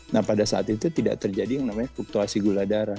nah pada saat itu tidak terjadi yang namanya fluktuasi gula darah